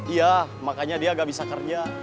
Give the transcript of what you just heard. iya makanya dia gak bisa kerja